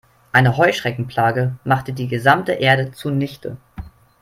Eine Heuschreckenplage machte die gesamte Ernte zunichte.